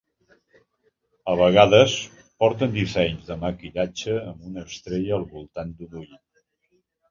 A vegades, porten dissenys de maquillatge amb una estrella al voltant d'un ull.